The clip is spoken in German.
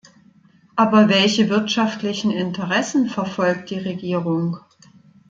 Aber welche wirtschaftlichen Interessen verfolgt die Regierung?